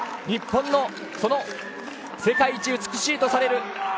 日本の世界一美しいとされる